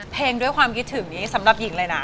เพลงด้วยความคิดถึงสำหรับหญิง